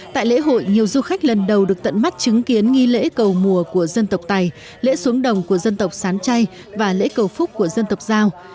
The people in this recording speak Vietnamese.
tại lễ hội nhiều du khách lần đầu được tận mắt chứng kiến nghi lễ cầu mùa của dân tộc tài lễ xuống đồng của dân tộc sán chay và lễ cầu phúc của dân tộc giao